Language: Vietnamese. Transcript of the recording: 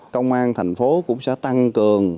công an thành phố cũng sẽ tăng cường